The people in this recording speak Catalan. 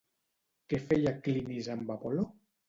Què feia Clinis amb Apol·lo?